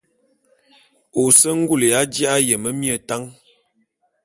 Ô se ngul ya ji'a yeme mie tan.